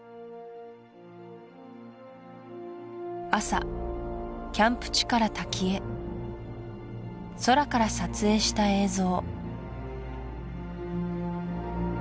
朝キャンプ地から滝へ空から撮影した映像